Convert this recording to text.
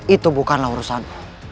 itu bukanlah urusanmu